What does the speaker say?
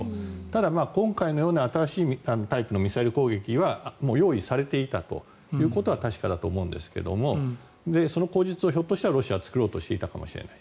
ただ、今回のような新しいタイプのミサイル攻撃は用意されていたということは確かだと思うんですがその口実をひょっとしたらロシア側は作ろうとしていたかもしれない。